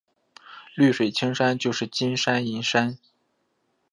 绿水青山就是金山银山